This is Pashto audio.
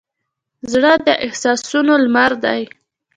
زړه د احساسونو لمر دی.